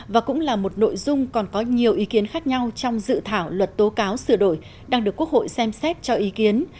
và cũng là một nội dung còn có nhiều ý kiến khác nhau trong dự thảo luật tố cáo sửa đổi đang được quốc hội xem xét cho ý kiến